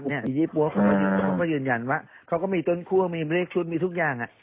ยี่ปั๊วเขาก็ยืนยันว่าเขาก็มีต้นคั่วมีเลขชุดมีทุกอย่าง